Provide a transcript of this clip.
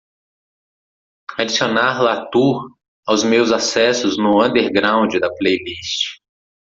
Adicionar LaTour aos meus acessos no underground da playlist.